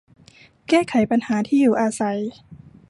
แก้ไขปัญหาที่อยู่อาศัย